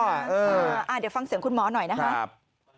เดี๋ยวฟังเสียงคุณหมอหน่อยนะครับ